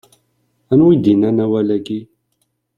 Anwa i d-yannan awal-agi?